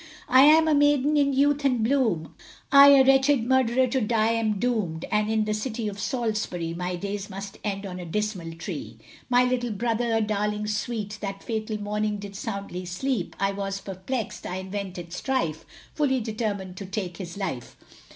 I am a maiden in youth and bloom, I a wretched murderer to die am doom'd, And in the city of Salisbury, My days must end on a dismal tree. My little brother, a darling sweet, That fatal morning did soundly sleep, I was perplexed. I invented strife, Fully determined to take his life.